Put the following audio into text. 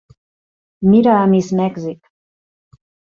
Mira a Miss Mèxic.